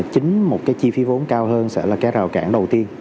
chính một chi phí vốn cao hơn sẽ là rào cản đầu tiên